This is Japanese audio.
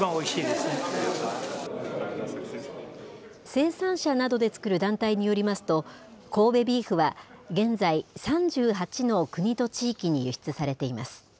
生産者などで作る団体によりますと、神戸ビーフは、現在３８の国と地域に輸出されています。